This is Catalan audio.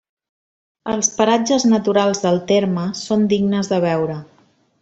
Els paratges naturals del terme són dignes de veure.